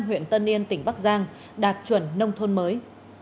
huyện tân yên tỉnh bắc giang đạt chuẩn nông thôn mới